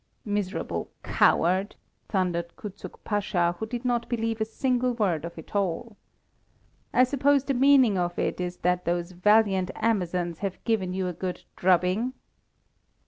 "Miserable coward!" thundered Kuczuk Pasha, who did not believe a single word of it all. "I suppose the meaning of it is that those valiant amazons have given you a good drubbing?"